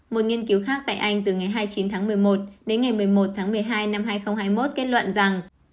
một nghiên cứu khác tại anh từ ngày hai mươi chín tháng một mươi một đến ngày một mươi một tháng một mươi hai năm hai nghìn hai mươi một kết luận rằng